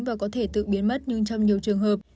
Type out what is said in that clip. và có thể tự biến mất nhưng trong nhiều trường hợp